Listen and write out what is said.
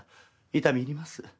痛み入ります。